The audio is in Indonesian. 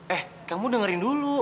eh kamu dengerin dulu